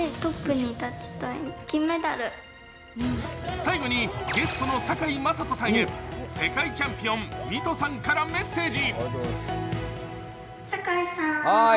最後にゲストの堺雅人さんへ世界チャンピオン、弥都さんからメッセージ。